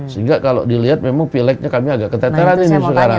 sehingga kalau dilihat memang pileknya kami agak keteteran ini sekarang